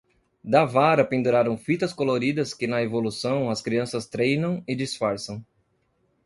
Da vara penduram fitas coloridas que na evolução as crianças treinam e disfarçam.